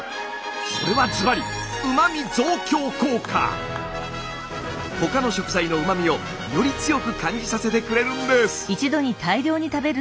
それはズバリ他の食材のうまみをより強く感じさせてくれるんです。